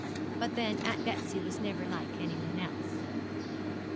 But then Aunt Betsy was never like anyone else.